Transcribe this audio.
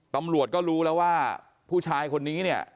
ตำรวจก็รู้แล้วว่าผู้ชายคนนี้เนี่ย